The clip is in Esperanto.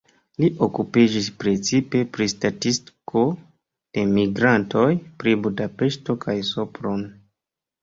Li okupiĝis precipe pri statistiko de migrantoj, pri Budapeŝto kaj Sopron.